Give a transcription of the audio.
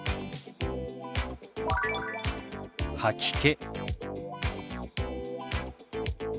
「吐き気」。